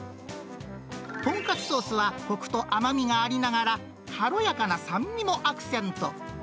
豚カツソースはこくと甘みがありながら、軽やかな酸味もアクセント。